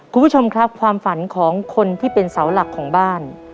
คุณผู้ชมครับความฝันของคนที่เป็นเสาหลักของบ้าน